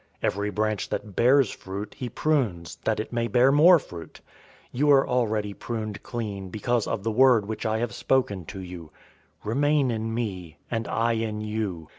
Every branch that bears fruit, he prunes, that it may bear more fruit. 015:003 You are already pruned clean because of the word which I have spoken to you. 015:004 Remain in me, and I in you.